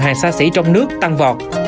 hàng xa xỉ trong nước tăng vọt